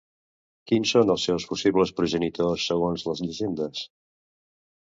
Quins són els seus possibles progenitors, segons les llegendes?